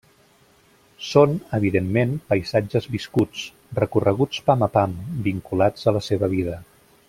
Són, evidentment, paisatges viscuts, recorreguts pam a pam, vinculats a la seva vida.